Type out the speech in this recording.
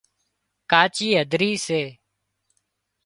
ڪاچي هڌرِي سي